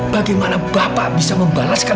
bagaimana bapak bisa membalaskan